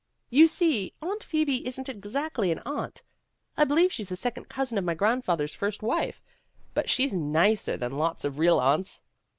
You see, Aunt Phoebe isn't exactly an aunt. I believe she's a second cousin of my grandfather 's first wife, but she 's nicer than lots of real aunts."